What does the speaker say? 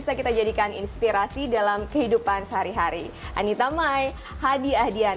bagaimana situasi ini